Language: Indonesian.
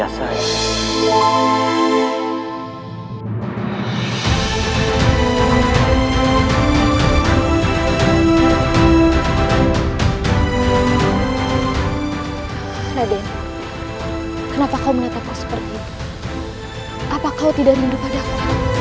apa kau tidak rindu padaku